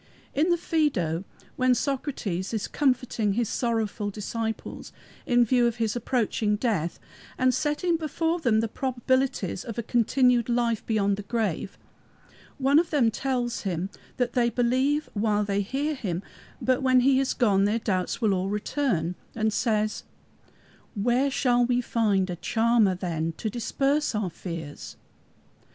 In the Phædo, when Socrates is comforting his sorrowful disciples in view of his approaching death, and setting before them the probabilities of a continued life beyond the grave, one of them tells him that they believe while they hear him, but when he is gone their doubts will all return, and says, "Where shall we find a charmer then to disperse our fears?"